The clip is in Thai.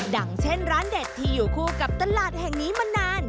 อย่างเช่นร้านเด็ดที่อยู่คู่กับตลาดแห่งนี้มานาน